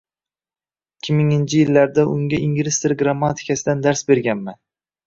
ikki minginchi yillarda unga ingliz tili grammatikasidan dars berganman.